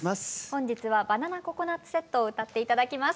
本日は「バナナココナッツセット」を歌って頂きます。